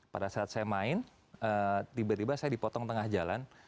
pada saat saya main tiba tiba saya dipotong tengah jalan